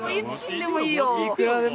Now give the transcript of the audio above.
いくらでも。